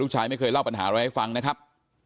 ชายไม่เคยเล่าปัญหาอะไรให้ฟังนะครับ